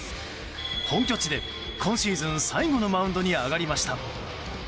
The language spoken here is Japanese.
本拠地で今シーズン最後のマウンドに上がりました。